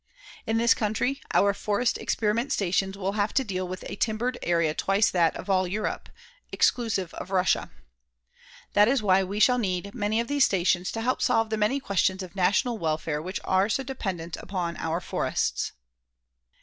In this country, our forest experiment stations will have to deal with a timbered area twice that of all Europe, exclusive of Russia. That is why we shall need many of these stations to help solve the many questions of national welfare which are so dependent upon our forests.